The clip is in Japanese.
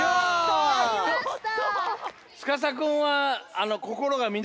やりました！